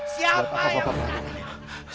siapa yang berani